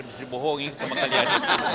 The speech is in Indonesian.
jangan terbohong sama kalian